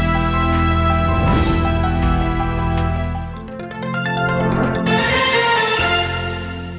โปรดติดตามตอนต่อไป